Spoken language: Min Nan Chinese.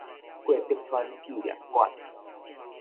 郭柏川紀念館